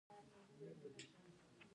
آیا دا زړه به په قوت سره ودرزیږي؟